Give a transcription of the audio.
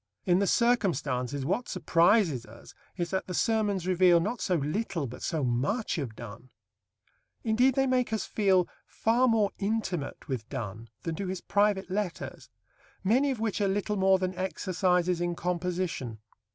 In the circumstances what surprises us is that the Sermons reveal, not so little, but so much of Donne. Indeed, they make us feel far more intimate with Donne than do his private letters, many of which are little more than exercises in composition.